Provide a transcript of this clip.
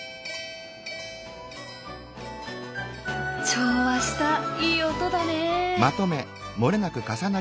調和したいい音だね。